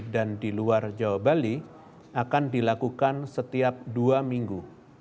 dan di luar jawa bali akan dilakukan setiap dua minggu